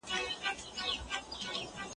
واصل چي کله له دښمنه انتقام اخلی